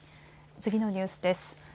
次のニュースです。